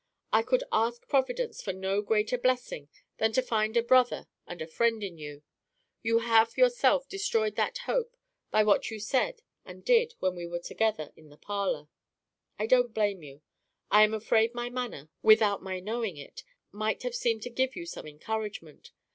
I could ask Providence for no greater blessing than to find a brother and a friend in you. You have yourself destroyed that hope by what you said and did when we were together in the parlor. I don't blame you: I am afraid my manner (without my knowing it) might have seemed to give you some encouragement.